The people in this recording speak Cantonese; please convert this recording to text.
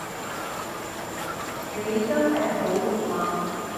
你真係好肉麻